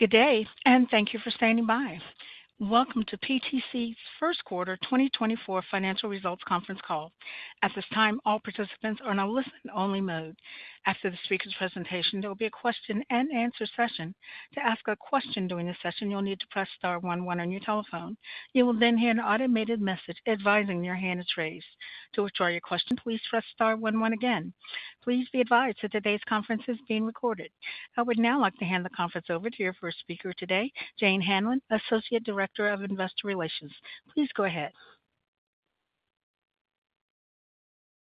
Good day, and thank you for standing by. Welcome to PTC's first quarter 2024 financial results conference call. At this time, all participants are in a listen-only mode. After the speaker's presentation, there will be a question-and-answer session. To ask a question during the session, you'll need to press star one one on your telephone. You will then hear an automated message advising your hand is raised. To withdraw your question, please press star one one again. Please be advised that today's conference is being recorded. I would now like to hand the conference over to your first speaker today, Jane Hanlon, Associate Director of Investor Relations. Please go ahead.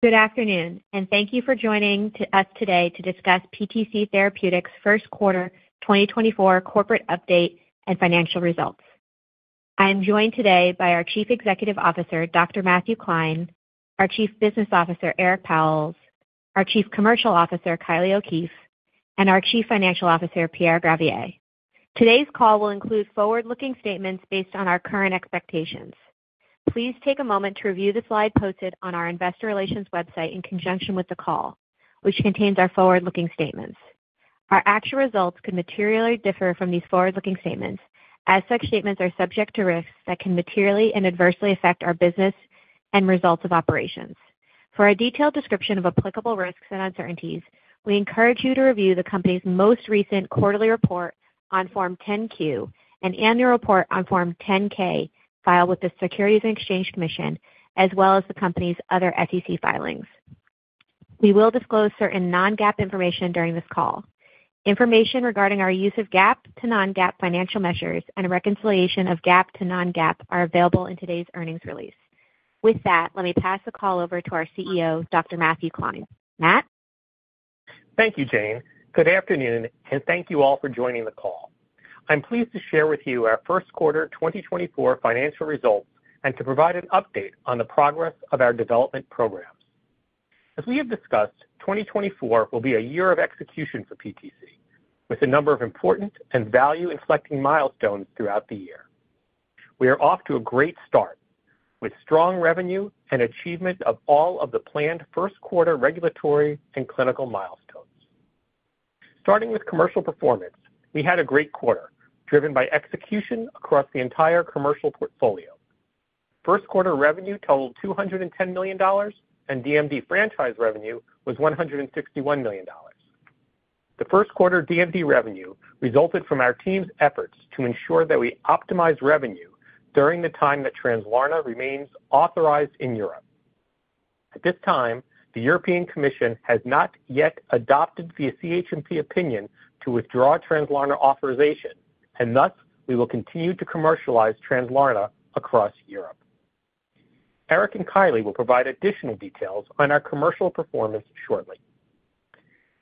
Good afternoon, and thank you for joining to us today to discuss PTC Therapeutics' first quarter 2024 corporate update and financial results. I am joined today by our Chief Executive Officer, Dr. Matthew Klein, our Chief Business Officer, Eric Pauwels, our Chief Commercial Officer, Kylie O'Keefe, and our Chief Financial Officer, Pierre Gravier. Today's call will include forward-looking statements based on our current expectations. Please take a moment to review the slide posted on our investor relations website in conjunction with the call, which contains our forward-looking statements. Our actual results could materially differ from these forward-looking statements, as such statements are subject to risks that can materially and adversely affect our business and results of operations. For a detailed description of applicable risks and uncertainties, we encourage you to review the company's most recent quarterly report on Form 10-Q and annual report on Form 10-K, filed with the Securities and Exchange Commission, as well as the company's other SEC filings. We will disclose certain non-GAAP information during this call. Information regarding our use of GAAP to non-GAAP financial measures and a reconciliation of GAAP to non-GAAP are available in today's earnings release. With that, let me pass the call over to our CEO, Dr. Matthew Klein. Matt? Thank you, Jane. Good afternoon, and thank you all for joining the call. I'm pleased to share with you our first quarter 2024 financial results and to provide an update on the progress of our development programs. As we have discussed, 2024 will be a year of execution for PTC, with a number of important and value-inflecting milestones throughout the year. We are off to a great start, with strong revenue and achievement of all of the planned first-quarter regulatory and clinical milestones. Starting with commercial performance, we had a great quarter, driven by execution across the entire commercial portfolio. First quarter revenue totaled $210 million, and DMD franchise revenue was $161 million. The first quarter DMD revenue resulted from our team's efforts to ensure that we optimize revenue during the time that Translarna remains authorized in Europe. At this time, the European Commission has not yet adopted the CHMP opinion to withdraw Translarna authorization, and thus, we will continue to commercialize Translarna across Europe. Eric and Kylie will provide additional details on our commercial performance shortly.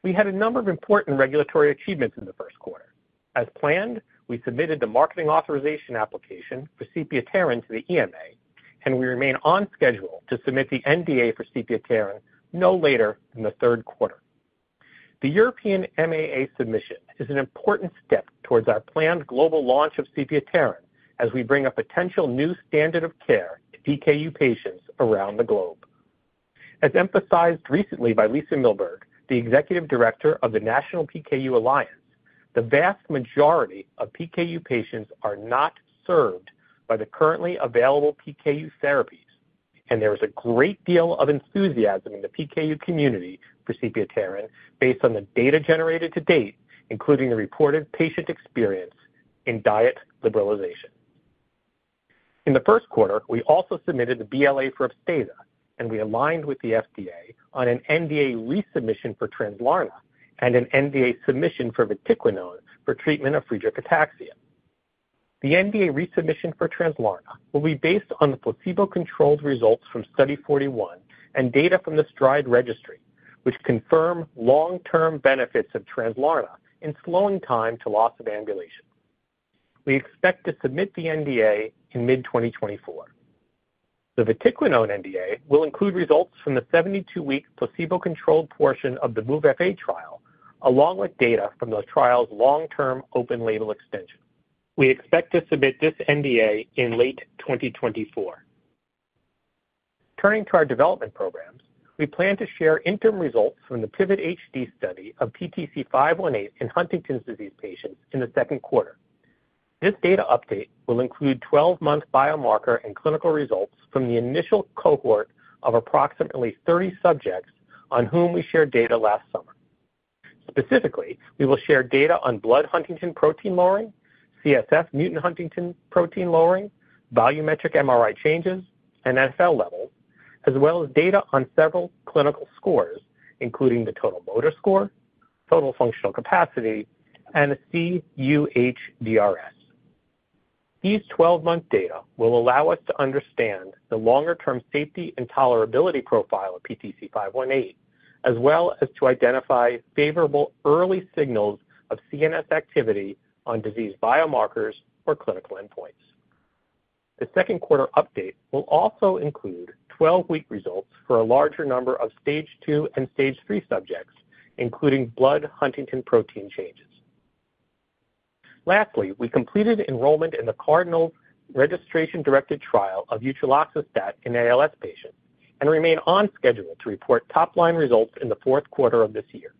We had a number of important regulatory achievements in the first quarter. As planned, we submitted the marketing authorization application for sepiapterin to the EMA, and we remain on schedule to submit the NDA for sepiapterin no later than the third quarter. The European MAA submission is an important step towards our planned global launch of sepiapterin as we bring a potential new standard of care to PKU patients around the globe. As emphasized recently by Lisa Milberg, the Executive Director of the National PKU Alliance, the vast majority of PKU patients are not served by the currently available PKU therapies, and there is a great deal of enthusiasm in the PKU community for sepiapterin based on the data generated to date, including the reported patient experience in diet liberalization. In the first quarter, we also submitted the BLA for Upstaza, and we aligned with the FDA on an NDA resubmission for Translarna and an NDA submission for vatiquinone for treatment of Friedreich ataxia. The NDA resubmission for Translarna will be based on the placebo-controlled results from Study 41 and data from the STRIDE registry, which confirm long-term benefits of Translarna in slowing time to loss of ambulation. We expect to submit the NDA in mid-2024. The vatiquinone NDA will include results from the 72-week placebo-controlled portion of the MOVE-FA trial, along with data from the trial's long-term open-label extension. We expect to submit this NDA in late 2024. Turning to our development programs, we plan to share interim results from the PIVOT-HD study of PTC518 in Huntington's disease patients in the second quarter. This data update will include 12-month biomarker and clinical results from the initial cohort of approximately 30 subjects on whom we shared data last summer. Specifically, we will share data on blood huntingtin protein lowering, CSF mutant huntingtin protein lowering, volumetric MRI changes, and NfL levels, as well as data on several clinical scores, including the total motor score, total functional capacity, and the cUHDRS. These 12-month data will allow us to understand the longer-term safety and tolerability profile of PTC518, as well as to identify favorable early signals of CNS activity on disease biomarkers or clinical endpoints. The second quarter update will also include 12-week results for a larger number of Stage 2 and Stage 3 subjects, including blood huntingtin protein changes. Lastly, we completed enrollment in the CardinALS registration-directed trial of utreloxastat in ALS patients and remain on schedule to report top-line results in the fourth quarter of this year.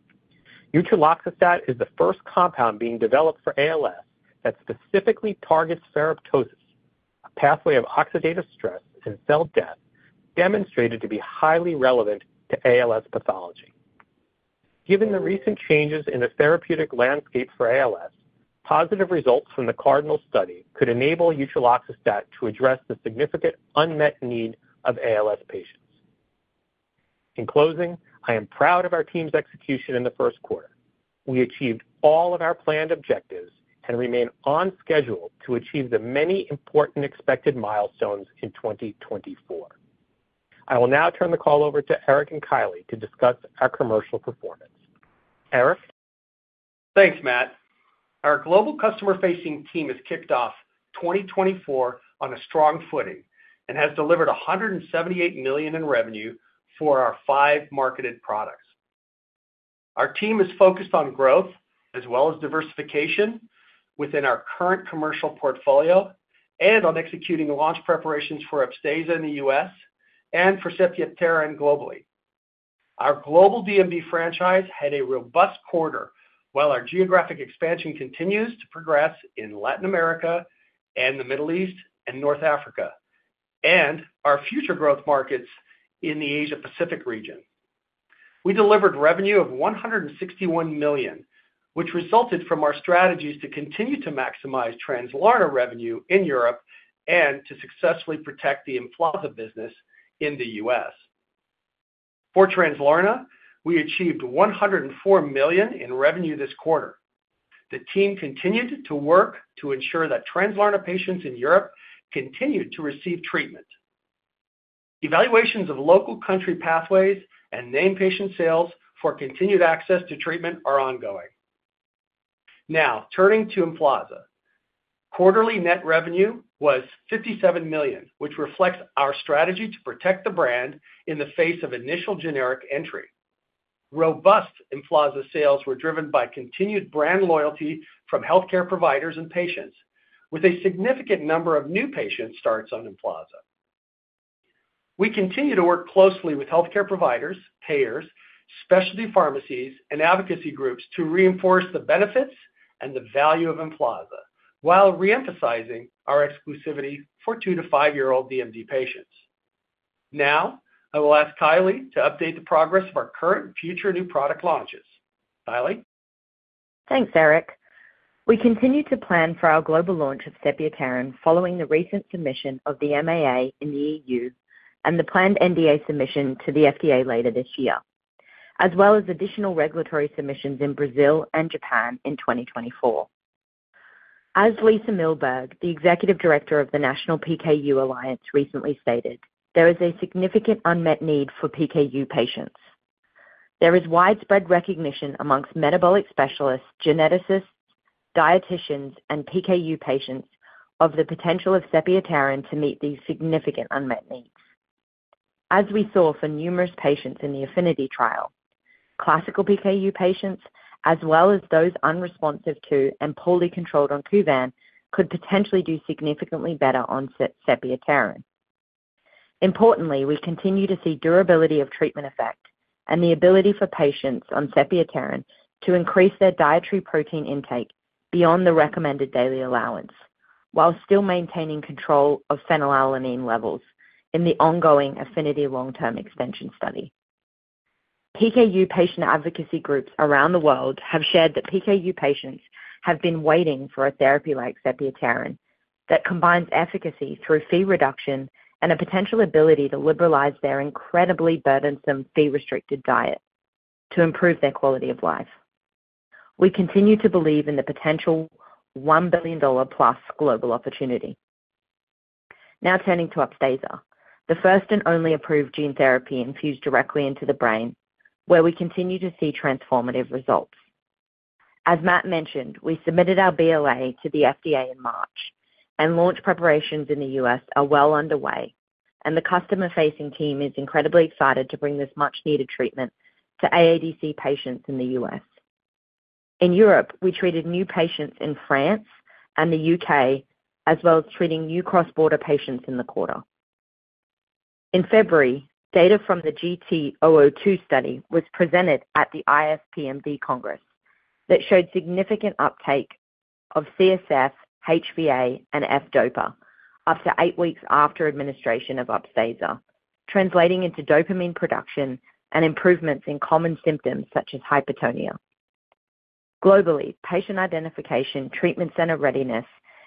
Utreloxastat is the first compound being developed for ALS that specifically targets ferroptosis, a pathway of oxidative stress and cell death demonstrated to be highly relevant to ALS pathology. Given the recent changes in the therapeutic landscape for ALS, positive results from the CardinALS study could enable utreloxastat to address the significant unmet need of ALS patients. In closing, I am proud of our team's execution in the first quarter. We achieved all of our planned objectives and remain on schedule to achieve the many important expected milestones in 2024. I will now turn the call over to Eric and Kylie to discuss our commercial performance. Eric? Thanks, Matt. Our global customer-facing team has kicked off 2024 on a strong footing and has delivered $178 million in revenue for our five marketed products. Our team is focused on growth as well as diversification within our current commercial portfolio and on executing launch preparations for Upstaza in the U.S. and for sepiapterin globally. Our global DMD franchise had a robust quarter, while our geographic expansion continues to progress in Latin America and the Middle East and North Africa, and our future growth markets in the Asia Pacific region. We delivered revenue of $161 million, which resulted from our strategies to continue to maximize Translarna revenue in Europe and to successfully protect the Emflaza business in the U.S.. For Translarna, we achieved $104 million in revenue this quarter. The team continued to work to ensure that Translarna patients in Europe continued to receive treatment. Evaluations of local country pathways and named patient sales for continued access to treatment are ongoing. Now, turning to Emflaza. Quarterly net revenue was $57 million, which reflects our strategy to protect the brand in the face of initial generic entry. Robust Emflaza sales were driven by continued brand loyalty from healthcare providers and patients, with a significant number of new patient starts on Emflaza. We continue to work closely with healthcare providers, payers, specialty pharmacies, and advocacy groups to reinforce the benefits and the value of Emflaza, while re-emphasizing our exclusivity for two- to five-year-old DMD patients. Now, I will ask Kylie to update the progress of our current and future new product launches. Kylie? Thanks, Eric. We continue to plan for our global launch of sepiapterin following the recent submission of the MAA in the EU and the planned NDA submission to the FDA later this year, as well as additional regulatory submissions in Brazil and Japan in 2024. As Lisa Milberg, the executive director of the National PKU Alliance, recently stated, "There is a significant unmet need for PKU patients." There is widespread recognition among metabolic specialists, geneticists, dietitians, and PKU patients of the potential of sepiapterin to meet these significant unmet needs. As we saw for numerous patients in the APHENITY trial, classical PKU patients, as well as those unresponsive to and poorly controlled on Kuvan, could potentially do significantly better on sepiapterin. Importantly, we continue to see durability of treatment effect and the ability for patients on sepiapterin to increase their dietary protein intake beyond the recommended daily allowance, while still maintaining control of phenylalanine levels in the ongoing APHENITY long-term extension study. PKU patient advocacy groups around the world have shared that PKU patients have been waiting for a therapy like sepiapterin that combines efficacy through Phe reduction and a potential ability to liberalize their incredibly burdensome Phe-restricted diet to improve their quality of life. We continue to believe in the potential $1 billion plus global opportunity. Now, turning to Upstaza, the first and only approved gene therapy infused directly into the brain, where we continue to see transformative results. As Matt mentioned, we submitted our BLA to the FDA in March, and launch preparations in the U.S. are well underway, and the customer-facing team is incredibly excited to bring this much-needed treatment to AADC patients in the U.S. In Europe, we treated new patients in France and the U.K., as well as treating new cross-border patients in the quarter. In February, data from the GT-002 study was presented at the ISPMD Congress that showed significant uptake of CSF, HVA, and FDOPA after 8 weeks after administration of Upstaza, translating into dopamine production and improvements in common symptoms such as hypotonia. Globally, patient identification, treatment center readiness,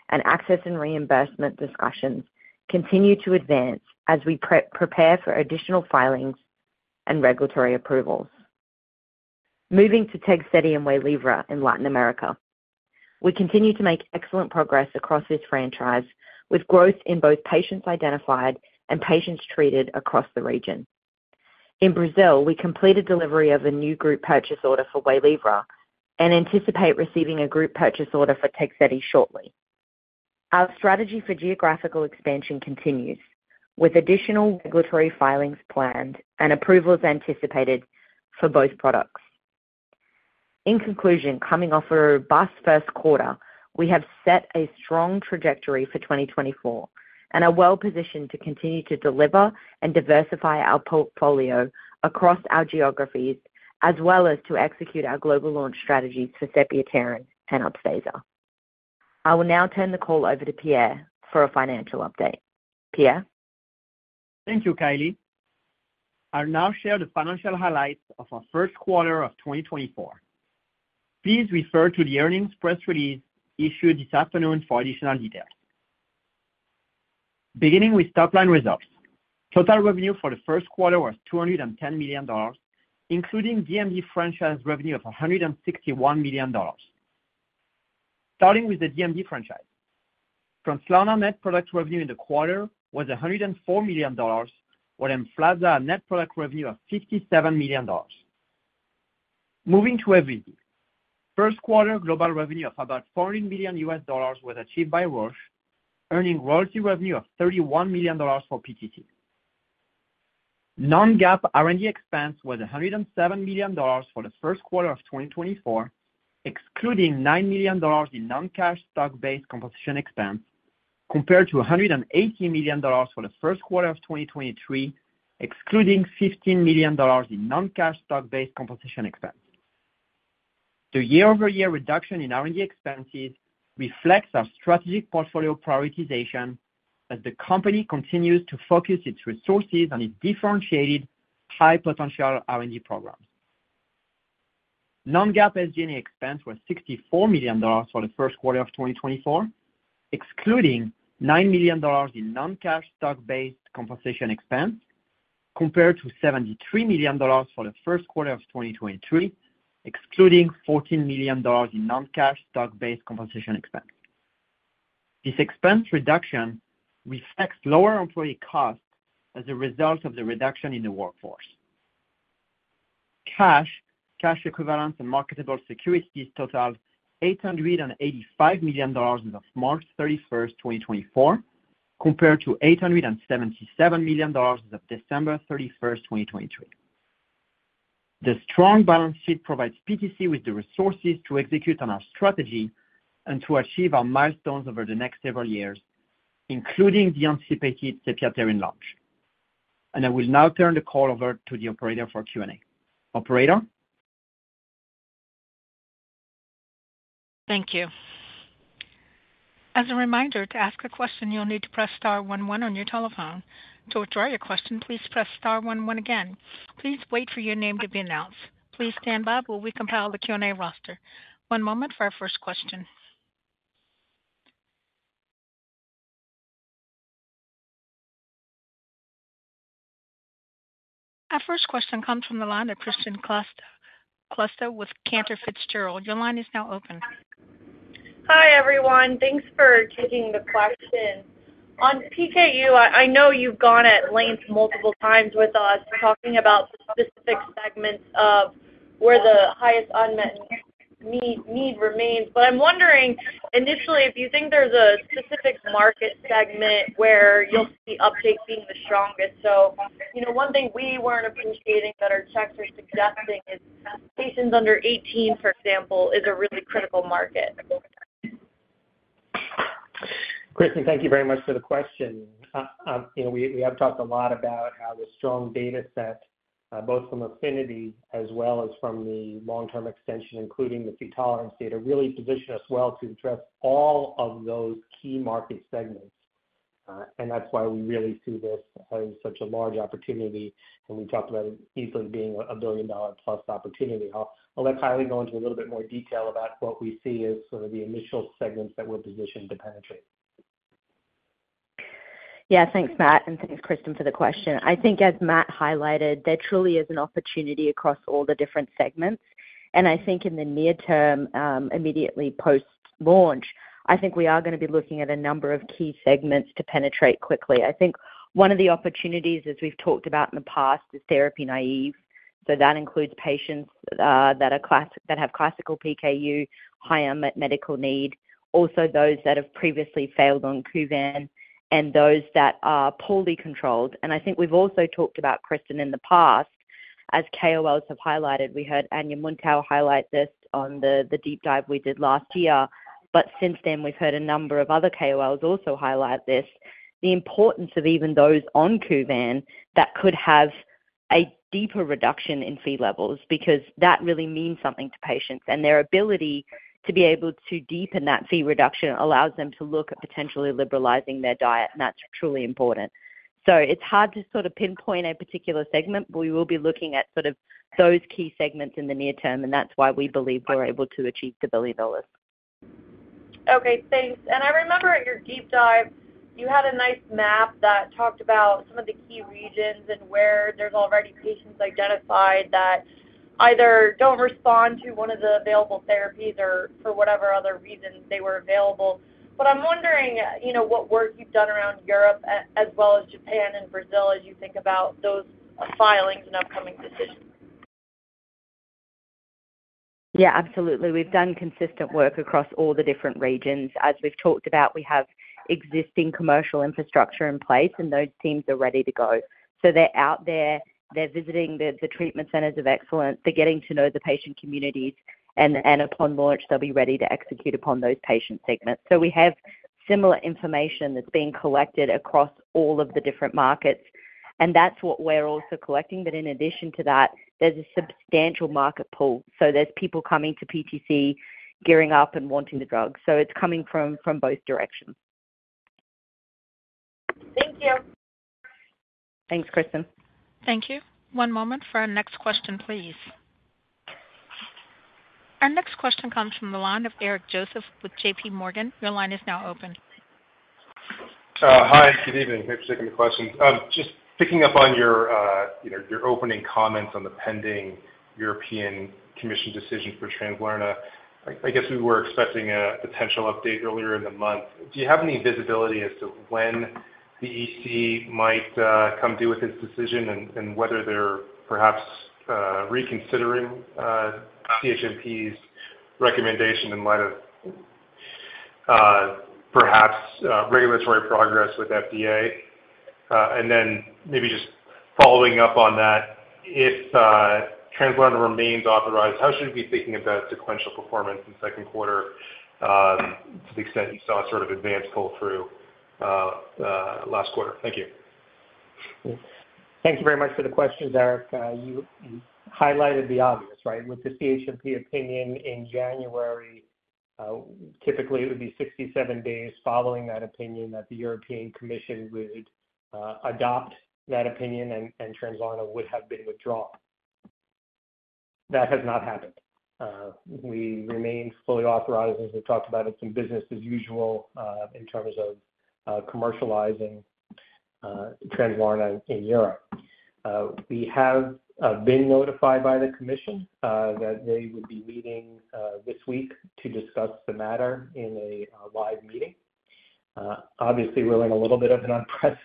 and access and reimbursement discussions continue to advance as we prepare for additional filings and regulatory approvals. Moving to Tegsedi and Waylivra in Latin America, we continue to make excellent progress across this franchise, with growth in both patients identified and patients treated across the region. In Brazil, we completed delivery of a new group purchase order for Waylivra and anticipate receiving a group purchase order for Tegsedi shortly. Our strategy for geographical expansion continues, with additional regulatory filings planned and approvals anticipated for both products. In conclusion, coming off a robust first quarter, we have set a strong trajectory for 2024 and are well-positioned to continue to deliver and diversify our portfolio across our geographies, as well as to execute our global launch strategy for sepiapterin and Upstaza. I will now turn the call over to Pierre for a financial update. Pierre? Thank you, Kylie. I'll now share the financial highlights of our first quarter of 2024. Please refer to the earnings press release issued this afternoon for additional details. Beginning with top-line results. Total revenue for the first quarter was $210 million, including DMD franchise revenue of $161 million. Starting with the DMD franchise, Translarna net product revenue in the quarter was $104 million, while Emflaza net product revenue of $57 million. Moving to Evrysdi. First quarter global revenue of about $400 million was achieved by Roche, earning royalty revenue of $31 million for PTC. Non-GAAP R&D expense was $107 million for the first quarter of 2024, excluding $9 million in non-cash stock-based compensation expense, compared to $180 million for the first quarter of 2023, excluding $15 million in non-cash stock-based compensation expense. The year-over-year reduction in R&D expenses reflects our strategic portfolio prioritization as the company continues to focus its resources on its differentiated high-potential R&D programs. Non-GAAP SG&A expense was $64 million for the first quarter of 2024, excluding $9 million in non-cash stock-based compensation expense, compared to $73 million for the first quarter of 2023, excluding $14 million in non-cash stock-based compensation expense. This expense reduction reflects lower employee costs as a result of the reduction in the workforce. Cash, cash equivalents and marketable securities totaled $885 million as of March 31st, 2024, compared to $877 million as of December 31st, 2023. The strong balance sheet provides PTC with the resources to execute on our strategy and to achieve our milestones over the next several years, including the anticipated sepiapterin launch. I will now turn the call over to the operator for Q&A. Operator? Thank you. As a reminder, to ask a question, you'll need to press star one one on your telephone. To withdraw your question, please press star one one again. Please wait for your name to be announced. Please stand by while we compile the Q&A roster. One moment for our first question. Our first question comes from the line of Kristen Kluska with Cantor Fitzgerald. Your line is now open. Hi, everyone. Thanks for taking the question. On PKU, I know you've gone at length multiple times with us talking about the specific segments of where the highest unmet need remains. But I'm wondering, initially, if you think there's a specific market segment where you'll see updates being the strongest. So, you know, one thing we weren't appreciating that our checks are suggesting is patients under 18, for example, is a really critical market. Kristen, thank you very much for the question. You know, we have talked a lot about how the strong data set, both from APHENITY as well as from the long-term extension, including the Phe tolerance data, really position us well to address all of those key market segments. That's why we really see this as such a large opportunity, and we talk about it easily being a billion-dollar plus opportunity. I'll let Kylie go into a little bit more detail about what we see as sort of the initial segments that we're positioned to penetrate. Yeah, thanks, Matt, and thanks, Kristen, for the question. I think as Matt highlighted, there truly is an opportunity across all the different segments. I think in the near term, immediately post-launch, I think we are gonna be looking at a number of key segments to penetrate quickly. I think one of the opportunities, as we've talked about in the past, is therapy naive. That includes patients that have classical PKU, high unmet medical need, also those that have previously failed on Kuvan and those that are poorly controlled. I think we've also talked about, Kristen, in the past, as KOLs have highlighted, we heard Ania Muntau highlight this on the deep dive we did last year. But since then, we've heard a number of other KOLs also highlight this. The importance of even those on Kuvan that could have a deeper reduction in Phe levels, because that really means something to patients. And their ability to be able to deepen that Phe reduction allows them to look at potentially liberalizing their diet, and that's truly important. So it's hard to sort of pinpoint a particular segment, but we will be looking at sort of those key segments in the near term, and that's why we believe we're able to achieve the $1 billion. Okay, thanks. I remember at your deep dive, you had a nice map that talked about some of the key regions and where there's already patients identified that either don't respond to one of the available therapies or for whatever other reasons they were available. But I'm wondering, you know, what work you've done around Europe, as well as Japan and Brazil, as you think about those, filings and upcoming decisions? Yeah, absolutely. We've done consistent work across all the different regions. As we've talked about, we have existing commercial infrastructure in place, and those teams are ready to go. So they're out there, they're visiting the treatment centers of excellence. They're getting to know the patient communities, and upon launch, they'll be ready to execute upon those patient segments. So we have similar information that's being collected across all of the different markets, and that's what we're also collecting. But in addition to that, there's a substantial market pool. So there's people coming to PTC, gearing up and wanting the drug. So it's coming from both directions. Thank you. Thanks, Kristen. Thank you. One moment for our next question, please. Our next question comes from the line of Eric Joseph with JPMorgan. Your line is now open. Hi, good evening. Thanks for taking the questions. Just picking up on your, you know, your opening comments on the pending European Commission decision for Translarna. I guess we were expecting a potential update earlier in the month. Do you have any visibility as to when the EC might come due with this decision and whether they're perhaps reconsidering CHMP's recommendation in light of, perhaps, regulatory progress with FDA? And then maybe just following up on that, if Translarna remains authorized, how should we be thinking about sequential performance in second quarter, to the extent you saw sort of advanced pull-through, last quarter? Thank you. Thank you very much for the questions, Eric. You highlighted the obvious, right? With the CHMP opinion in January, typically, it would be 67 days following that opinion that the European Commission would, adopt that opinion and, and Translarna would have been withdrawn. That has not happened. We remain fully authorized, as we talked about it, and business as usual, in terms of, commercializing, Translarna in Europe. We have, been notified by the commission, that they would be meeting, this week to discuss the matter in a, live meeting. Obviously, we're in a little bit of an unprece-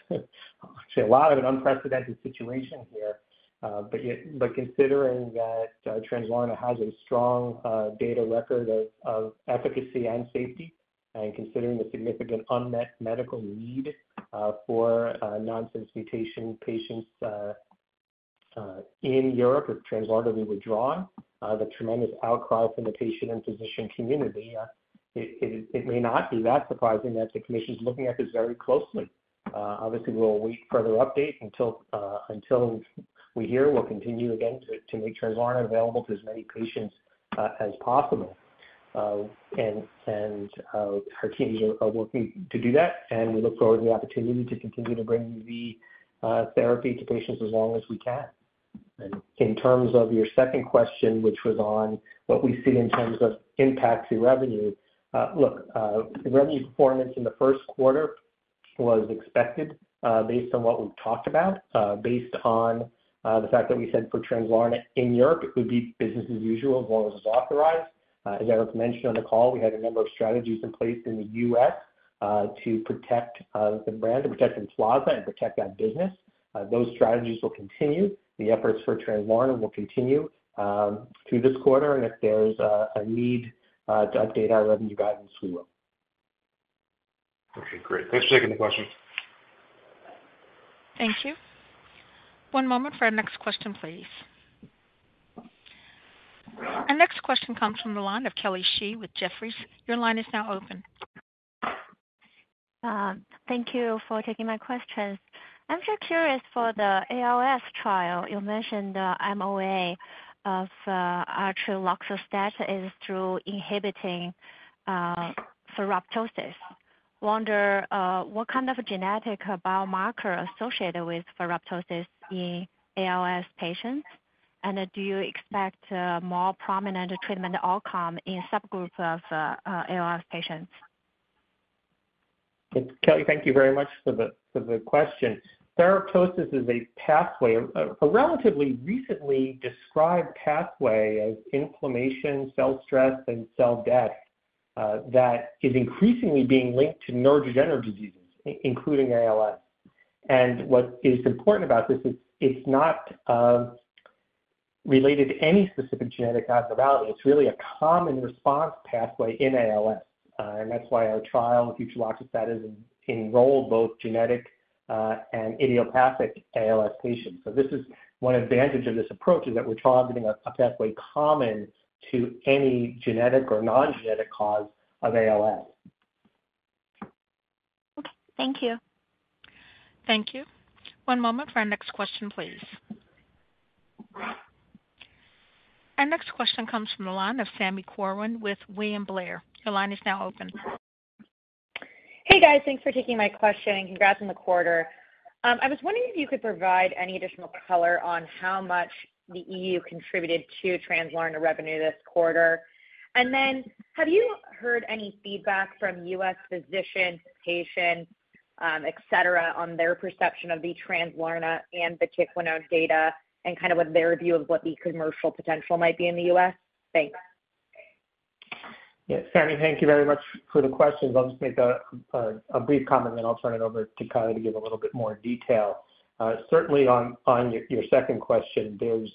actually, a lot of an unprecedented situation here. But yet, but considering that, Translarna has a strong data record of efficacy and safety, and considering the significant unmet medical need for nonsense mutation patients in Europe, if Translarna were withdrawn, the tremendous outcry from the patient and physician community, it may not be that surprising that the commission's looking at this very closely. Obviously, we'll await further update until we hear. We'll continue again to make Translarna available to as many patients as possible. And our teams are working to do that, and we look forward to the opportunity to continue to bring the therapy to patients as long as we can. In terms of your second question, which was on what we see in terms of impact to revenue. Look, the revenue performance in the first quarter was expected, based on what we've talked about, based on the fact that we said for Translarna in Europe, it would be business as usual as long as it's authorized. As Eric mentioned on the call, we had a number of strategies in place in the U.S., to protect the brand, to protect Emflaza and protect our business. Those strategies will continue. The efforts for Translarna will continue through this quarter, and if there's a need to update our revenue guidance, we will. Okay, great. Thanks for taking the question. Thank you. One moment for our next question, please. Our next question comes from the line of Kelly Shi with Jefferies. Your line is now open. Thank you for taking my questions. I'm just curious for the ALS trial, you mentioned the MOA of utreloxastat is through inhibiting ferroptosis. Wonder what kind of genetic biomarker associated with ferroptosis in ALS patients? And do you expect more prominent treatment outcome in subgroups of ALS patients? Kelly, thank you very much for the question. Ferroptosis is a pathway, a relatively recently described pathway of inflammation, cell stress, and cell death that is increasingly being linked to neurodegenerative diseases, including ALS. And what is important about this is it's not related to any specific genetic abnormality. It's really a common response pathway in ALS, and that's why our trial with Utreloxastat is enrolled both genetic and idiopathic ALS patients. So this is one advantage of this approach, is that we're targeting a pathway common to any genetic or non-genetic cause of ALS. Okay. Thank you. Thank you. One moment for our next question, please. Our next question comes from the line of Sami Corwin with William Blair. Your line is now open. Hey, guys. Thanks for taking my question, and congrats on the quarter. I was wondering if you could provide any additional color on how much the E.U. contributed to Translarna revenue this quarter. And then, have you heard any feedback from U.S. physicians, patients, et cetera, on their perception of the Translarna and vatiquinone data and kind of what their view of what the commercial potential might be in the U.S.? Thanks. Yes, Sammy, thank you very much for the question. I'll just make a brief comment, and then I'll turn it over to Kylie to give a little bit more detail. Certainly on your second question, there's,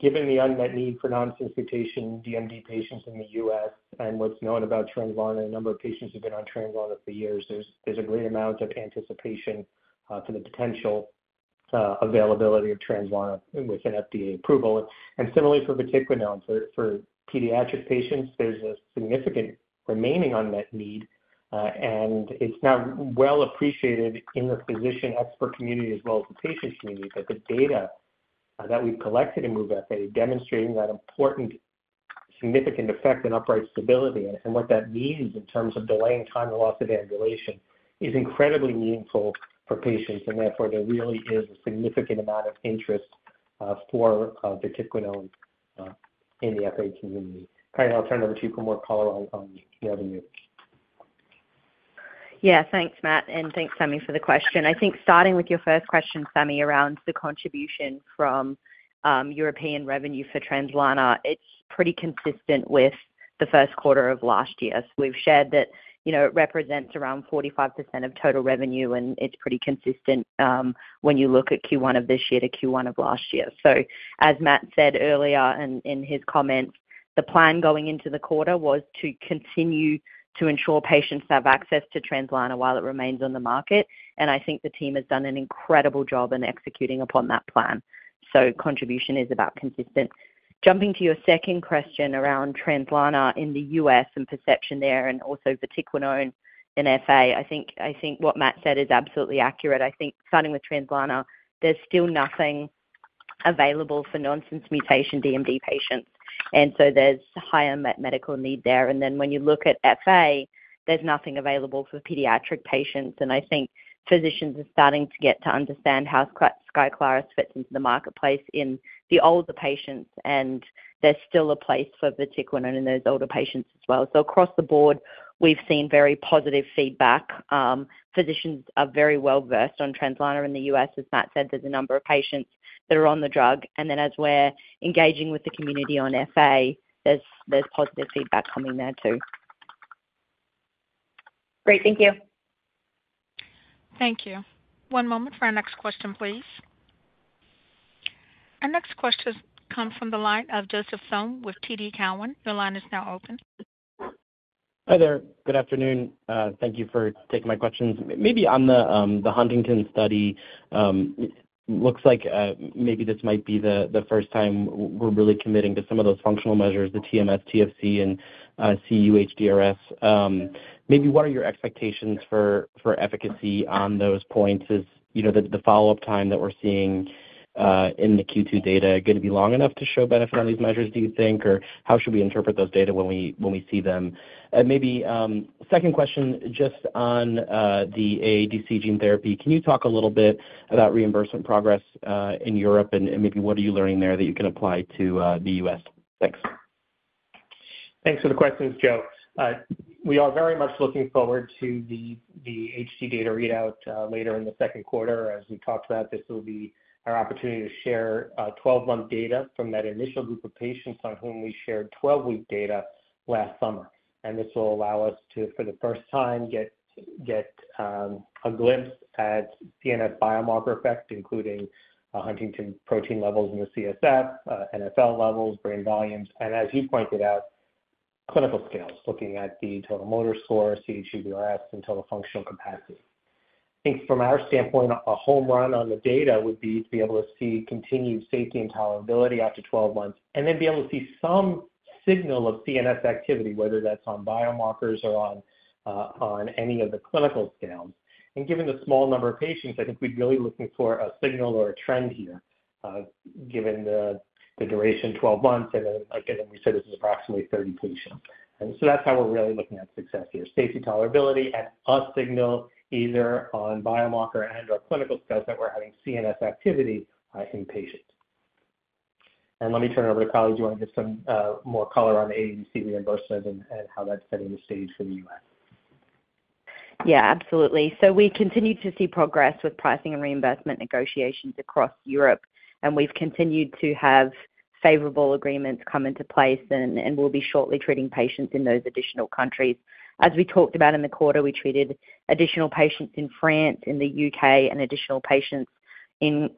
given the unmet need for nonsense mutation DMD patients in the US and what's known about Translarna, a number of patients have been on Translarna for years. There's a great amount of anticipation for the potential availability of Translarna with an FDA approval, and similarly for vatiquinone. For pediatric patients, there's a significant remaining unmet need, and it's now well appreciated in the physician expert community as well as the patient community, that the data that we've collected in MOVE-FA demonstrating that important significant effect in upright stability and what that means in terms of delaying time to loss of ambulation, is incredibly meaningful for patients, and therefore, there really is a significant amount of interest, for vatiquinone, in the FA community. Kylie, I'll turn it over to you for more color on the revenue. Yeah, thanks, Matt, and thanks, Sammy, for the question. I think starting with your first question, Sammy, around the contribution from European revenue for Translarna, it's pretty consistent with the first quarter of last year. So we've shared that, you know, it represents around 45% of total revenue, and it's pretty consistent when you look at Q1 of this year to Q1 of last year. So as Matt said earlier in his comments, the plan going into the quarter was to continue to ensure patients have access to Translarna while it remains on the market. And I think the team has done an incredible job in executing upon that plan. So contribution is about consistent. Jumping to your second question around Translarna in the US and perception there and also vatiquinone in FA, I think what Matt said is absolutely accurate. I think starting with Translarna, there's still nothing available for nonsense mutation DMD patients, and so there's higher unmet medical need there. And then when you look at FA, there's nothing available for pediatric patients, and I think physicians are starting to get to understand how Skyclarys fits into the marketplace in the older patients, and there's still a place for vatiquinone in those older patients as well. So across the board, we've seen very positive feedback. Physicians are very well versed on Translarna in the US. As Matt said, there's a number of patients that are on the drug, and then as we're engaging with the community on FA, there's positive feedback coming there, too. Great. Thank you. Thank you. One moment for our next question, please. Our next question comes from the line of Joseph Thome with TD Cowen. Your line is now open. Hi, there. Good afternoon. Thank you for taking my questions. Maybe on the, the Huntington study, looks like, maybe this might be the, the first time we're really committing to some of those functional measures, the TMS, TFC and, cUHDRS. Maybe what are your expectations for, for efficacy on those points? Is, you know, the, the follow-up time that we're seeing, in the Q2 data gonna be long enough to show benefit on these measures, do you think? Or how should we interpret those data when we, when we see them? And maybe, second question, just on, the AADC gene therapy. Can you talk a little bit about reimbursement progress, in Europe, and, maybe what are you learning there that you can apply to, the US? Thanks. Thanks for the questions, Joe. We are very much looking forward to the HT data readout later in the second quarter. As we talked about, this will be our opportunity to share 12-month data from that initial group of patients on whom we shared 12-week data last summer. This will allow us to, for the first time, get a glimpse at CNS biomarker effects, including huntingtin protein levels in the CSF, NfL levels, brain volumes, and as you pointed out, clinical scales, looking at the total motor score, cUHDRS, and total functional capacity. I think from our standpoint, a home run on the data would be to be able to see continued safety and tolerability after 12 months and then be able to see some signal of CNS activity, whether that's on biomarkers or on, on any of the clinical scales. And given the small number of patients, I think we'd be really looking for a signal or a trend here, given the duration, 12 months, and then again, we said this is approximately 30 patients. And so that's how we're really looking at success here, safety, tolerability, and a signal either on biomarker and/or clinical studies that we're having CNS activity, in patients. And let me turn it over to Kylie. Do you want to give some more color on AADC reimbursement and how that's setting the stage for the US? Yeah, absolutely. So we continue to see progress with pricing and reimbursement negotiations across Europe, and we've continued to have favorable agreements come into place and, and we'll be shortly treating patients in those additional countries. As we talked about in the quarter, we treated additional patients in France, in the U.K., and additional patients in,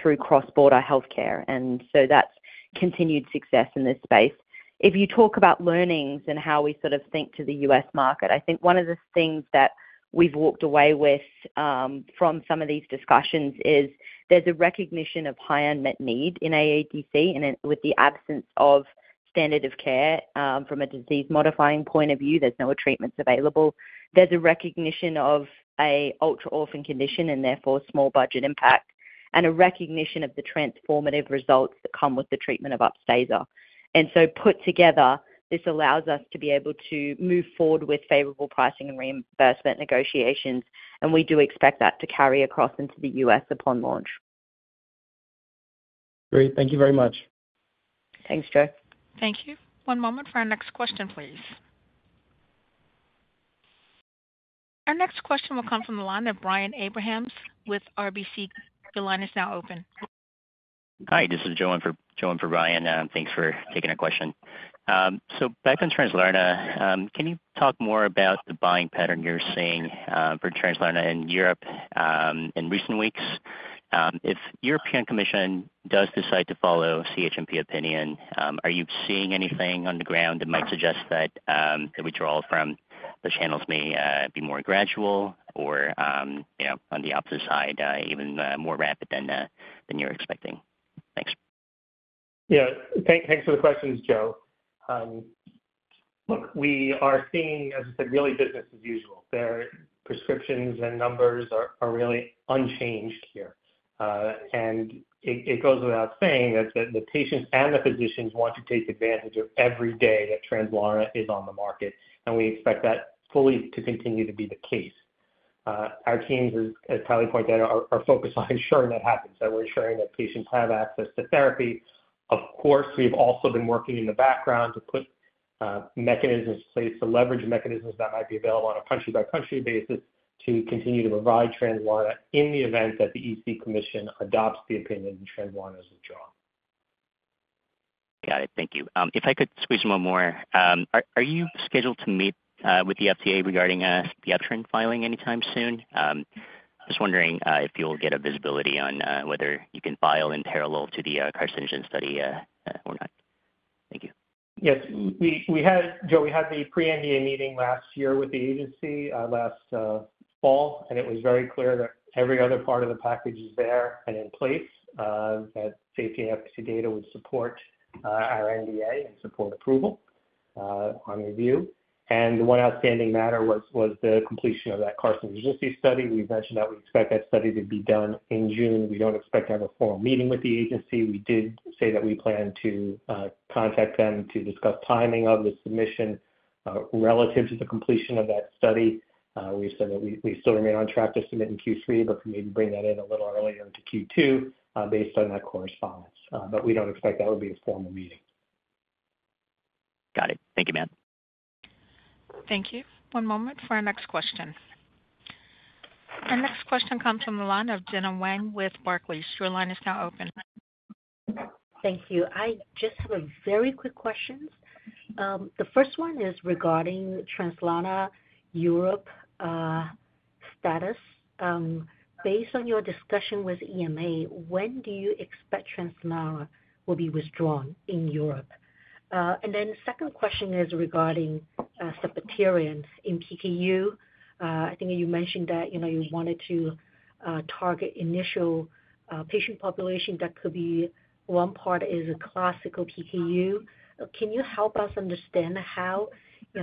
through cross-border healthcare, and so that's continued success in this space. If you talk about learnings and how we sort of think to the US market, I think one of the things that we've walked away with, from some of these discussions is there's a recognition of high unmet need in AADC, and then with the absence of standard of care, from a disease-modifying point of view, there's no treatments available. There's a recognition of a ultra-orphan condition and therefore, small budget impact, and a recognition of the transformative results that come with the treatment of Upstaza. And so put together, this allows us to be able to move forward with favorable pricing and reimbursement negotiations, and we do expect that to carry across into the U.S. upon launch. Great. Thank you very much. Thanks, Joe. Thank you. One moment for our next question, please. Our next question will come from the line of Brian Abrahams with RBC. Your line is now open. Hi, this is Joe on for Brian. Thanks for taking a question. So back on Translarna, can you talk more about the buying pattern you're seeing for Translarna in Europe in recent weeks? If European Commission does decide to follow CHMP opinion, are you seeing anything on the ground that might suggest that the withdrawal from the channels may be more gradual or, you know, on the opposite side, even more rapid than you're expecting? Thanks. Yeah, thanks for the questions, Joe. Look, we are seeing, as I said, really business as usual. Their prescriptions and numbers are really unchanged here. And it goes without saying that the patients and the physicians want to take advantage of every day that Translarna is on the market, and we expect that fully to continue to be the case. Our teams, as Kylie pointed out, are focused on ensuring that happens, that we're ensuring that patients have access to therapy. Of course, we've also been working in the background to put mechanisms in place to leverage mechanisms that might be available on a country-by-country basis to continue to provide Translarna in the event that the EC Commission adopts the opinion, Translarna is withdrawn. Got it. Thank you. If I could squeeze one more. Are you scheduled to meet with the FDA regarding the utreloxastat filing anytime soon? I was wondering if you'll get a visibility on whether you can file in parallel to the carcinogenicity study or not. Thank you. Yes. We had the pre-NDA meeting last year with the agency last fall, and it was very clear that every other part of the package is there and in place, that safety and efficacy data would support our NDA and support approval on review. And the one outstanding matter was the completion of that carcinogenicity study. We've mentioned that we expect that study to be done in June. We don't expect to have a formal meeting with the agency. We did say that we plan to contact them to discuss timing of the submission relative to the completion of that study. We've said that we still remain on track to submit in Q3, but can maybe bring that in a little earlier into Q2, based on that correspondence. But we don't expect that would be a formal meeting. Got it. Thank you, man. Thank you. One moment for our next question. Our next question comes from the line of Gena Wang with Barclays. Your line is now open. Thank you. I just have a very quick question. The first one is regarding Translarna Europe status. Based on your discussion with EMA, when do you expect Translarna will be withdrawn in Europe? And then second question is regarding sepiapterin in PKU. I think you mentioned that, you know, you wanted to target initial patient population. That could be one part is a classical PKU. Can you help us understand how... You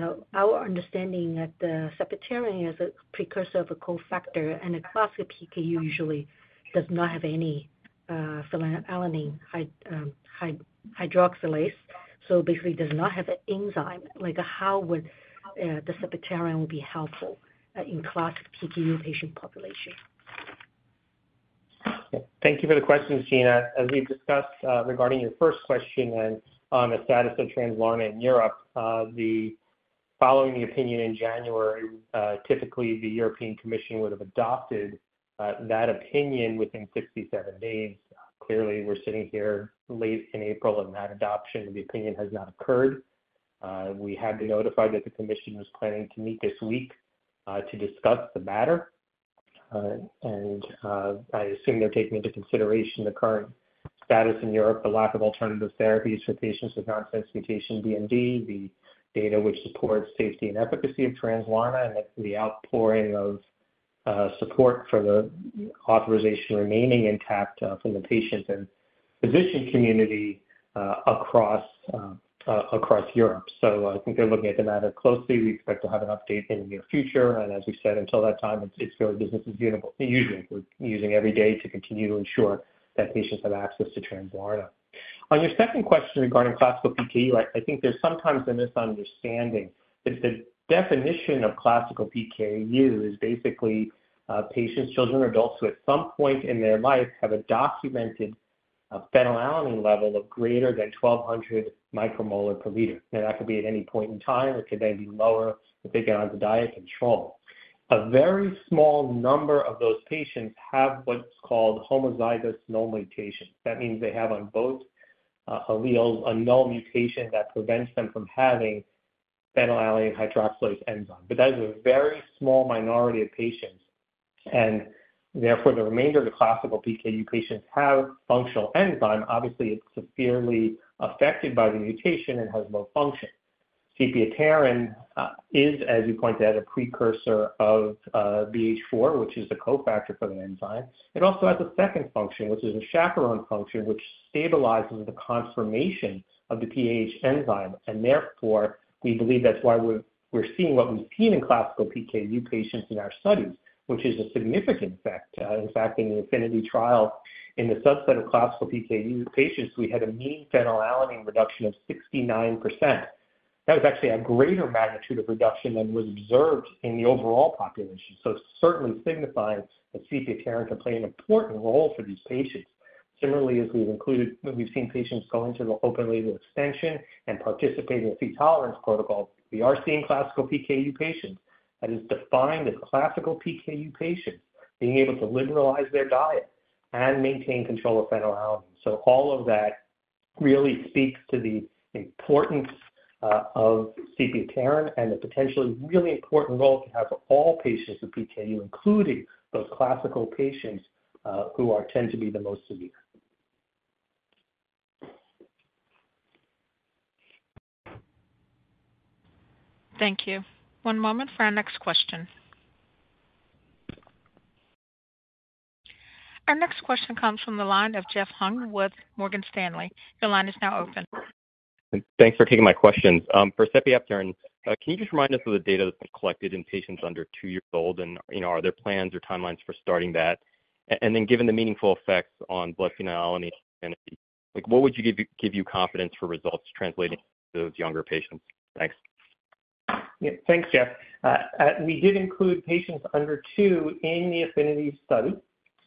know, our understanding that the sepiapterin is a precursor of a co-factor, and a classic PKU usually does not have any phenylalanine hydroxylase, so basically does not have an enzyme. Like, how would the sepiapterin will be helpful in classic PKU patient population? Thank you for the question, Gena. As we've discussed, regarding your first question on the status of Translarna in Europe, following the opinion in January, typically the European Commission would have adopted that opinion within 67 days. Clearly, we're sitting here late in April, and that adoption of the opinion has not occurred. We had been notified that the commission was planning to meet this week to discuss the matter. And I assume they're taking into consideration the current status in Europe, the lack of alternative therapies for patients with nonsense mutation DMD, the data which supports safety and efficacy of Translarna, and the outpouring of support for the authorization remaining intact from the patients and physician community across Europe. So I think they're looking at the matter closely. We expect to have an update in the near future, and as we've said, until that time, it's, it's really business as usual. We're using every day to continue to ensure that patients have access to Translarna. On your second question regarding classical PKU, I, I think there's sometimes a misunderstanding, that the definition of classical PKU is basically, patients, children, or adults who at some point in their life have a documented, phenylalanine level of greater than 1,200 micromolar per liter. Now, that could be at any point in time, it could then be lower if they get on the diet control. A very small number of those patients have what's called homozygous null mutation. That means they have on both, alleles, a null mutation that prevents them from having phenylalanine hydroxylase enzyme. But that is a very small minority of patients, and therefore, the remainder of the classical PKU patients have functional enzyme. Obviously, it's severely affected by the mutation and has low function. Sepiapterin is, as you point out, a precursor of BH4, which is the co-factor for the enzyme. It also has a second function, which is a chaperone function, which stabilizes the conformation of the PAH enzyme, and therefore, we believe that's why we're seeing what we've seen in classical PKU patients in our studies, which is a significant effect. In fact, in the APHENITY trial, in the subset of classical PKU patients, we had a mean phenylalanine reduction of 69%. That was actually a greater magnitude of reduction than was observed in the overall population. So it certainly signifies that sepiapterin can play an important role for these patients. Similarly, as we've included, we've seen patients go into the open-label extension and participate in the Phe tolerance protocol. We are seeing classical PKU patients, that is defined as classical PKU patients, being able to liberalize their diet and maintain control of phenylalanine. So all of that really speaks to the importance of sepiapterin and the potentially really important role to have for all patients with PKU, including those classical patients, who tend to be the most severe. Thank you. One moment for our next question. Our next question comes from the line of Jeff Hung with Morgan Stanley. Your line is now open. Thanks for taking my questions. For sepiapterin, can you just remind us of the data that's been collected in patients under two years old? And, you know, are there plans or timelines for starting that? And then given the meaningful effects on blood phenylalanine, like, what would give you confidence for results translating to those younger patients? Thanks. Yeah. Thanks, Jeff. We did include patients under two in the APHENITY study.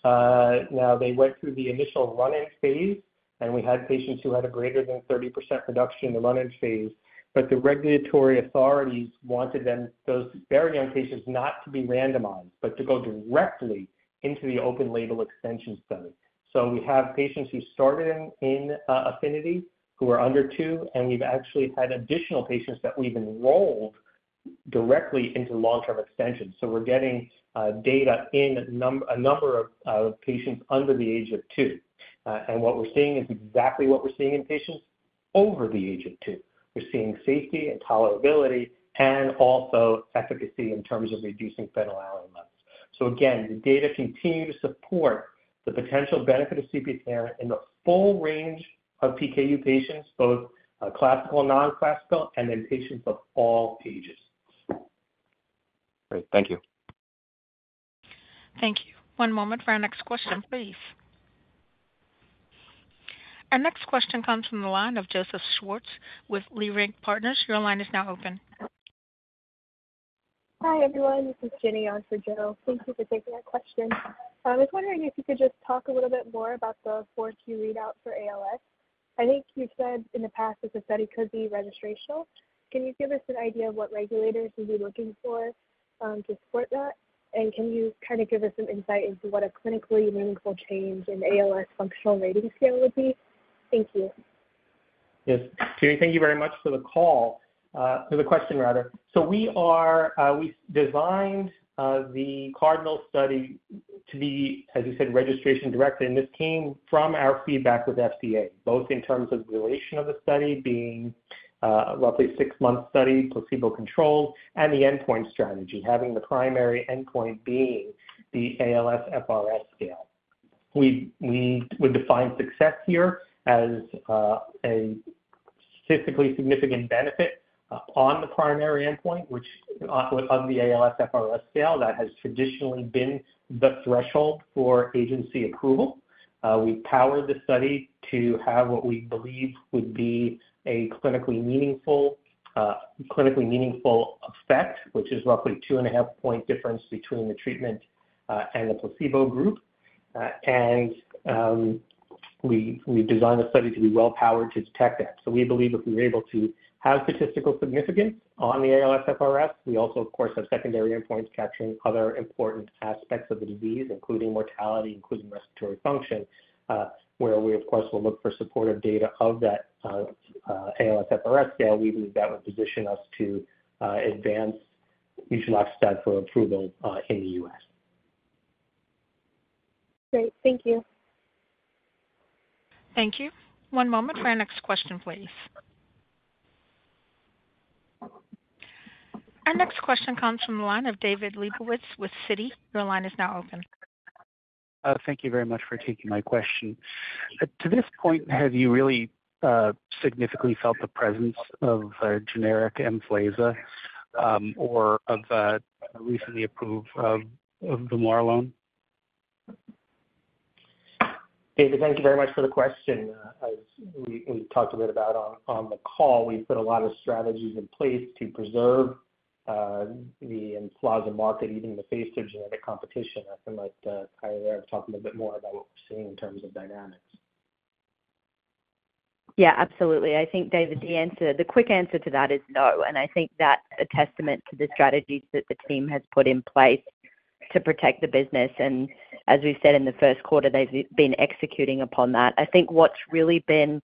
Now, they went through the initial run-in phase, and we had patients who had a greater than 30% reduction in the run-in phase. But the regulatory authorities wanted them, those very young patients, not to be randomized, but to go directly into the open label extension study. So we have patients who started in APHENITY, who are under two, and we've actually had additional patients that we've enrolled directly into long-term extension. So we're getting data in a number of patients under the age of two. And what we're seeing is exactly what we're seeing in patients over the age of two. We're seeing safety and tolerability and also efficacy in terms of reducing phenylalanine levels. So again, the data continue to support the potential benefit of sepiapterin in the full range of PKU patients, both classical, nonclassical, and in patients of all ages. Great. Thank you. Thank you. One moment for our next question, please. Our next question comes from the line of Joseph Schwartz with Leerink Partners. Your line is now open. Hi, everyone. This is Jenny on for Joe. Thank you for taking our question. I was wondering if you could just talk a little bit more about the 4Q readout for ALS. I think you've said in the past that the study could be registrational. Can you give us an idea of what regulators would be looking for to support that? And can you kind of give us some insight into what a clinically meaningful change in ALS functional rating scale would be? Thank you. Yes. Jenny, thank you very much for the call, for the question, rather. So we are, we designed the CardinALS study to be, as you said, registration-directed, and this came from our feedback with FDA, both in terms of the duration of the study being, roughly six months study, placebo-controlled, and the endpoint strategy, having the primary endpoint being the ALSFRS scale. We, we would define success here as, a statistically significant benefit on the primary endpoint, which on the ALSFRS scale, that has traditionally been the threshold for agency approval. We powered the study to have what we believe would be a clinically meaningful, clinically meaningful effect, which is roughly 2.5-point difference between the treatment, and the placebo group. And, we, we designed the study to be well-powered to detect that. So we believe if we were able to have statistical significance on the ALSFRS, we also, of course, have secondary endpoints capturing other important aspects of the disease, including mortality, including respiratory function, where we, of course, will look for supportive data of that ALSFRS scale. We believe that would position us to advance Utreloxastat for approval in the U.S.. Great. Thank you. Thank you. One moment for our next question, please. Our next question comes from the line of David Lebowitz with Citi. Your line is now open. Thank you very much for taking my question. To this point, have you really significantly felt the presence of a generic Emflaza, or of the recently approved of the vamorolone? David, thank you very much for the question. As we talked a bit about on the call, we've put a lot of strategies in place to preserve the Emflaza market, even in the face of genetic competition. I feel like Kylie there, talking a bit more about what we're seeing in terms of dynamics. Yeah, absolutely. I think, David, the answer, the quick answer to that is no. And I think that's a testament to the strategies that the team has put in place to protect the business. And as we've said in the first quarter, they've been executing upon that. I think what's really been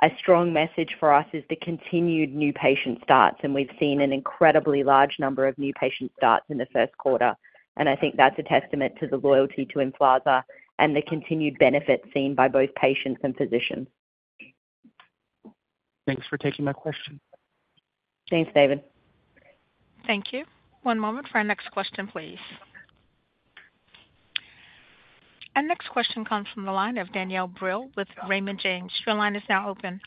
a strong message for us is the continued new patient starts, and we've seen an incredibly large number of new patient starts in the first quarter. And I think that's a testament to the loyalty to Emflaza and the continued benefit seen by both patients and physicians. Thanks for taking my question. Thanks, David. Thank you. One moment for our next question, please. Our next question comes from the line of Danielle Brill with Raymond James. Your line is now open.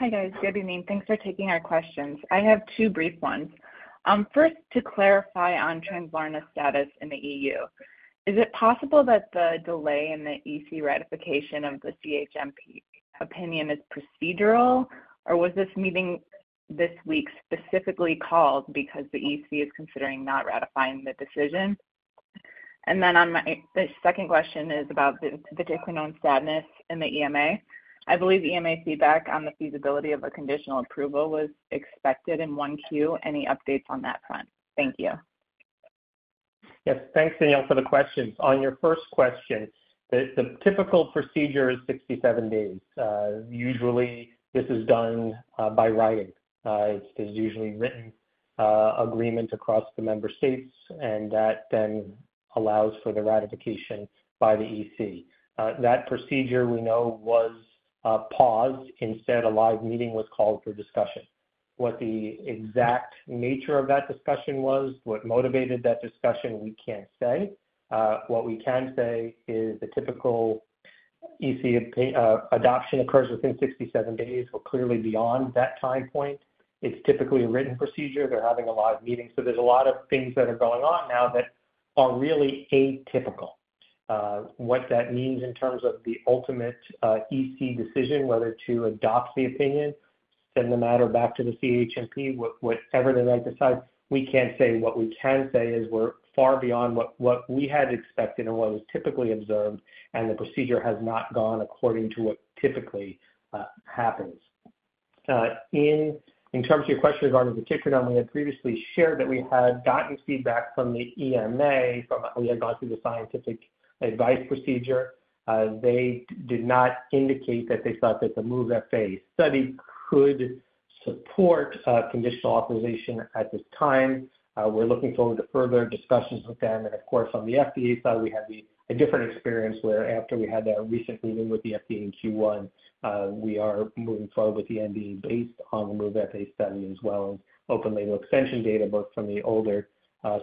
Hi, guys. Good evening. Thanks for taking our questions. I have two brief ones. First, to clarify on Translarna status in the EU, is it possible that the delay in the EC ratification of the CHMP opinion is procedural, or was this meeting this week specifically called because the EC is considering not ratifying the decision? And then, my second question is about the vatiquinone status in the EMA. I believe EMA feedback on the feasibility of a conditional approval was expected in 1Q. Any updates on that front? Thank you. Yes, thanks, Danielle, for the questions. On your first question, the typical procedure is 67 days. Usually this is done by writing. It's usually written agreement across the member states, and that then allows for the ratification by the EC. That procedure, we know, was paused. Instead, a live meeting was called for discussion. What the exact nature of that discussion was, what motivated that discussion, we can't say. What we can say is the typical EC opinion adoption occurs within 67 days. We're clearly beyond that time point. It's typically a written procedure. They're having a live meeting. So there's a lot of things that are going on now that are really atypical. What that means in terms of the ultimate, EC decision, whether to adopt the opinion, send the matter back to the CHMP, whatever they might decide, we can't say. What we can say is we're far beyond what we had expected and what was typically observed, and the procedure has not gone according to what typically happens. In terms of your question regarding the vatiquinone, we had previously shared that we had gotten feedback from the EMA. We had gone through the scientific advice procedure. They did not indicate that they thought that the MOVE-FA study could support conditional authorization at this time. We're looking forward to further discussions with them. Of course, on the FDA side, we have a different experience, where after we had that recent meeting with the FDA in Q1, we are moving forward with the NDA based on the MOVE-FA study as well, and open label extension data, both from the older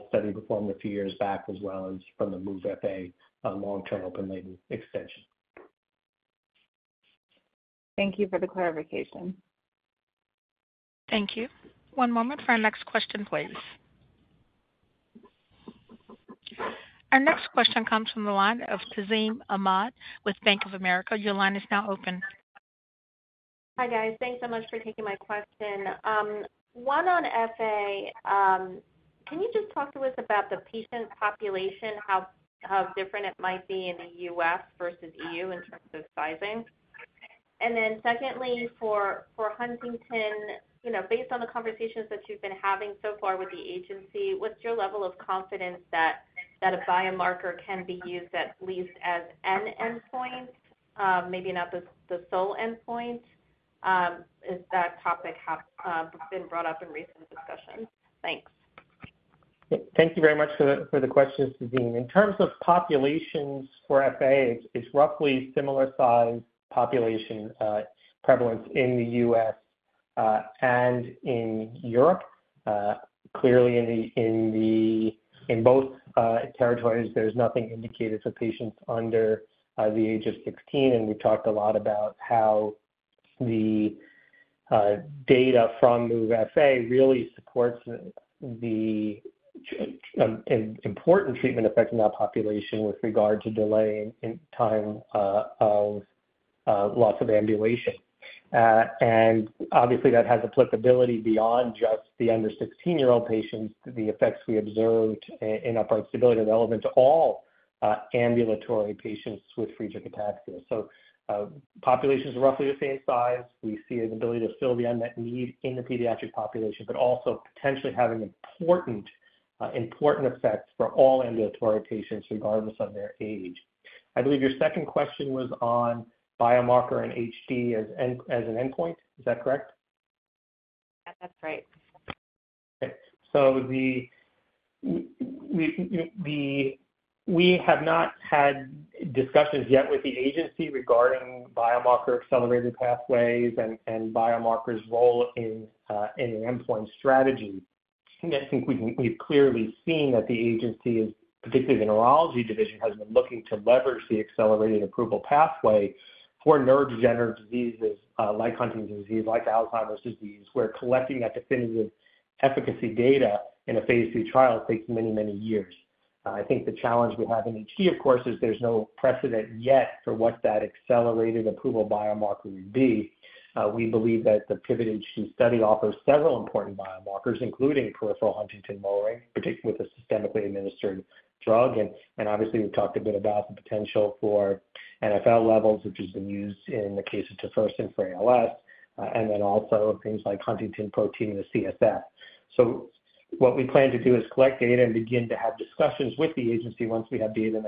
study performed a few years back, as well as from the MOVE-FA long-term open label extension. Thank you for the clarification. Thank you. One moment for our next question, please. Our next question comes from the line of Tazeen Ahmad with Bank of America. Your line is now open. Hi, guys. Thanks so much for taking my question. One, on FA, can you just talk to us about the patient population, how, how different it might be in the U.S. versus EU in terms of sizing? And then secondly, for, for Huntington, you know, based on the conversations that you've been having so far with the agency, what's your level of confidence that, that a biomarker can be used at least as an endpoint, maybe not the, the sole endpoint? Is that topic have, been brought up in recent discussions? Thanks. Thank you very much for the, for the questions, Tazeen. In terms of populations for FA, it's, it's roughly similar size population, prevalence in the U.S., and in Europe. Clearly in the, in the, in both, territories, there's nothing indicated for patients under, the age of 16, and we talked a lot about how the, data from the FA really supports the, important treatment effect in that population with regard to delaying in time, of, loss of ambulation. And obviously, that has applicability beyond just the under 16-year-old patients. The effects we observed in, in upright stability are relevant to all, ambulatory patients with Friedreich's ataxia. So, populations are roughly the same size. We see an ability to fill the unmet need in the pediatric population, but also potentially having important, important effects for all ambulatory patients, regardless of their age. I believe your second question was on biomarker and HD as an endpoint. Is that correct? That's right. Okay, so we have not had discussions yet with the agency regarding biomarker accelerated pathways and biomarkers' role in the endpoint strategy. I think we've clearly seen that the agency, particularly the neurology division, has been looking to leverage the accelerated approval pathway for neurodegenerative diseases, like Huntington's disease, like Alzheimer's disease, where collecting that definitive efficacy data in a phase III trial takes many, many years. I think the challenge we have in HD, of course, is there's no precedent yet for what that accelerated approval biomarker would be. We believe that the PIVOT-HD study offers several important biomarkers, including peripheral huntingtin lowering, particularly with a systemically administered drug. Obviously, we've talked a bit about the potential for NfL levels, which has been used in the case of tofersen for ALS, and then also things like huntingtin protein and CSF. So what we plan to do is collect data and begin to have discussions with the agency once we have data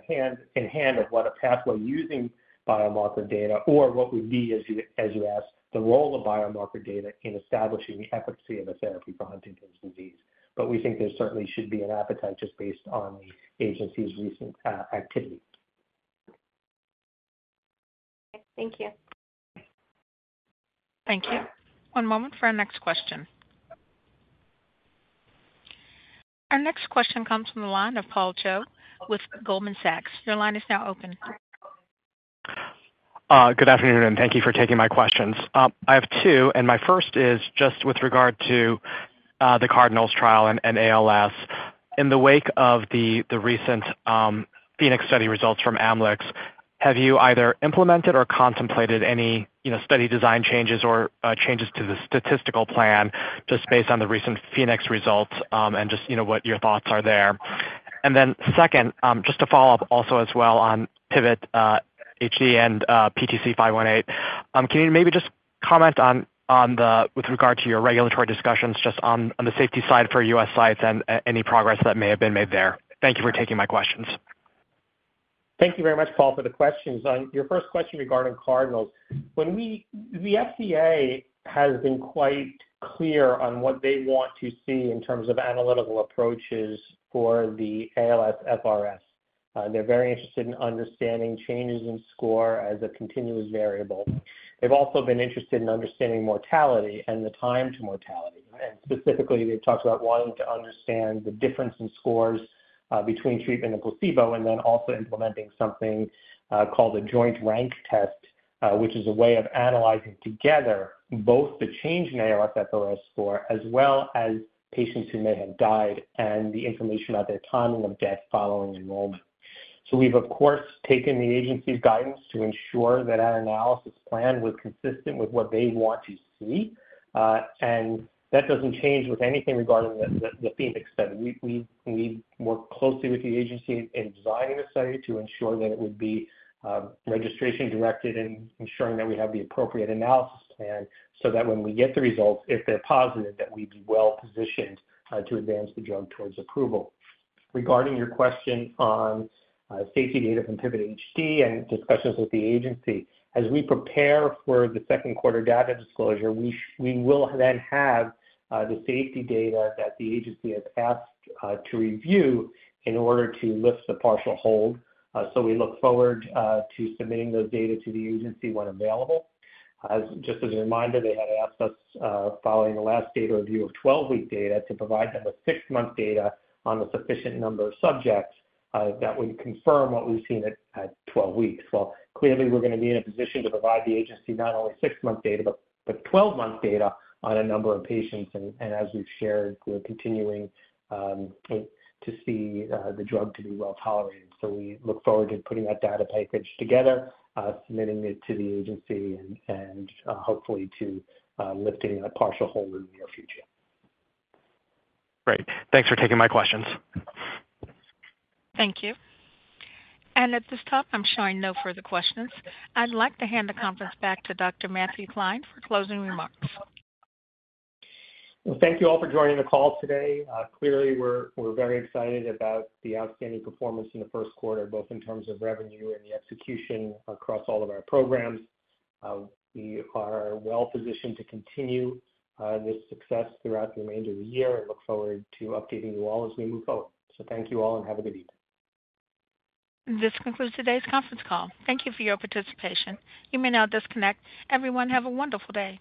in hand of what a pathway using biomarker data or what would be, as you asked, the role of biomarker data in establishing the efficacy of a therapy for Huntington's disease. But we think there certainly should be an appetite just based on the agency's recent activity. Thank you. Thank you. One moment for our next question. Our next question comes from the line of Paul Choi with Goldman Sachs. Your line is now open. Good afternoon, and thank you for taking my questions. I have two, and my first is just with regard to the CardinALS trial and ALS. In the wake of the recent PHOENIX study results from Amylyx, have you either implemented or contemplated any, you know, study design changes or changes to the statistical plan just based on the recent PHOENIX results, and just, you know, what your thoughts are there? And then second, just to follow up also as well on PIVOT-HD and PTC518. Can you maybe just comment on, with regard to your regulatory discussions, just on the safety side for U.S. sites and any progress that may have been made there? Thank you for taking my questions. Thank you very much, Paul, for the questions. On your first question regarding CardinALS, the FDA has been quite clear on what they want to see in terms of analytical approaches for the ALSFRS. They're very interested in understanding changes in score as a continuous variable. They've also been interested in understanding mortality and the time to mortality. And specifically, they've talked about wanting to understand the difference in scores between treatment and placebo, and then also implementing something called a joint rank test, which is a way of analyzing together both the change in ALSFRS score, as well as patients who may have died and the information about their timing of death following enrollment. So we've, of course, taken the agency's guidance to ensure that our analysis plan was consistent with what they want to see. And that doesn't change with anything regarding the PHOENIX study. We worked closely with the agency in designing the study to ensure that it would be registration directed and ensuring that we have the appropriate analysis plan, so that when we get the results, if they're positive, that we'd be well positioned to advance the drug towards approval. Regarding your question on safety data from PIVOT-HD and discussions with the agency, as we prepare for the second quarter data disclosure, we will then have the safety data that the agency has asked to review in order to lift the partial hold. So we look forward to submitting those data to the agency when available. Just as a reminder, they had asked us, following the last data review of 12-week data, to provide them with six-month data on a sufficient number of subjects, that would confirm what we've seen at 12 weeks. Well, clearly, we're gonna be in a position to provide the agency not only six-month data, but 12-month data on a number of patients. And as we've shared, we're continuing to see the drug to be well tolerated. So we look forward to putting that data package together, submitting it to the agency and hopefully to lifting that partial hold in the near future. Great. Thanks for taking my questions. Thank you. At this time, I'm showing no further questions. I'd like to hand the conference back to Dr. Matthew Klein for closing remarks. Well, thank you all for joining the call today. Clearly, we're very excited about the outstanding performance in the first quarter, both in terms of revenue and the execution across all of our programs. We are well positioned to continue this success throughout the remainder of the year and look forward to updating you all as we move forward. So thank you all, and have a good evening. This concludes today's conference call. Thank you for your participation. You may now disconnect. Everyone, have a wonderful day.